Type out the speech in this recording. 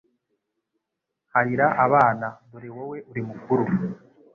Harira abana dore wowe uri mukuru